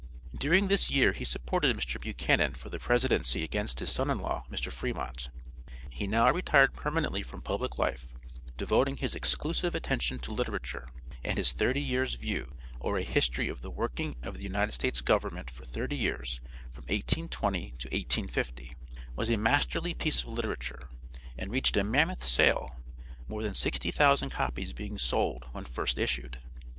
During this year he supported Mr. Buchanan for the presidency against his son in law, Mr. Fremont. He now retired permanently from public life, devoting his exclusive attention to literature, and his "Thirty Years View; or a History of the Working of the United States Government for Thirty Years from 1820 to 1850," was a masterly piece of literature, and reached a mammoth sale; more than sixty thousand copies being sold when first issued.